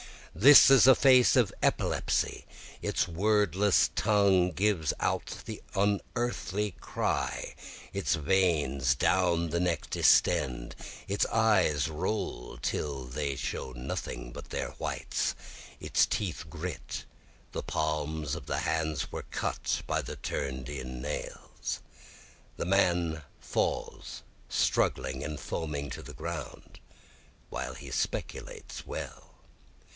This face is an epilepsy, its wordless tongue gives out the unearthly cry, Its veins down the neck distend, its eyes roll till they show nothing but their whites, Its teeth grit, the palms of the hands are cut by the turn'd in nails, The man falls struggling and foaming to the ground, while he speculates well.